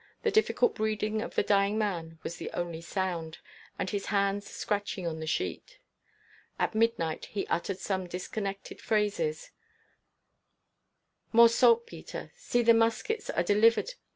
The difficult breathing of the dying man was the only sound, and his hands scratching on the sheet. At midnight he uttered some disconnected phrases: "More saltpetre.... See the muskets are delivered.